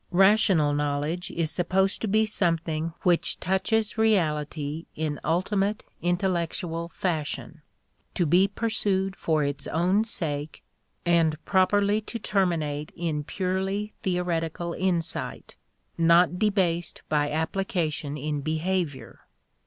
Rational knowledge is supposed to be something which touches reality in ultimate, intellectual fashion; to be pursued for its own sake and properly to terminate in purely theoretical insight, not debased by application in behavior.